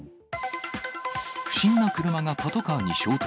不審な車がパトカーに衝突。